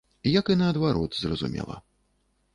Як і наадварот, зразумела.